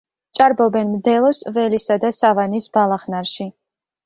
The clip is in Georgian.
ჭარბობენ მდელოს, ველისა და სავანის ბალახნარში.